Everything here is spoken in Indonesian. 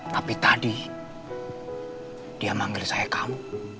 tapi tadi dia manggil saya kamu